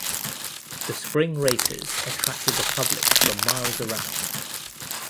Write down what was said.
The spring races attracted the public from miles around.